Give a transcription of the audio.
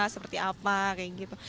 seperti apa kayak gitu